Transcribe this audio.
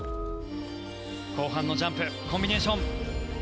後半のジャンプコンビネーション。